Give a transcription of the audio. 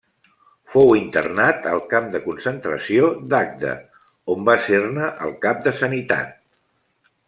Fou internat al camp de concentració d'Agde on va ser-ne el cap de Sanitat.